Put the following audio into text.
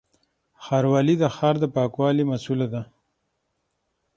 ښاروالي د ښار د پاکوالي مسووله ده